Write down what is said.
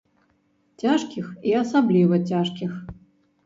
Цяжкіх і асабліва цяжкіх.